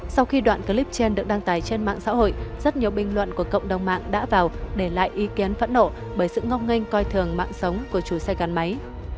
sau khi đoạn clip trên được đăng tải trên mạng xã hội rất nhiều bình luận của cộng đồng mạng đã vào để lại ý kiến phẫn nộ bởi sự ngong nganh coi thường mạng sống của chủ xe gắn máy